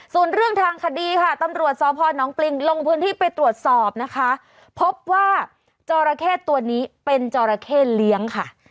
ส่วนเรื่องทางคดีค่ะตำรวจสพนปริงลงพื้นที่ไปตรวจสอบนะคะพบว่าจอราเข้ตัวนี้เป็นจอราเข้เลี้ยงค่ะ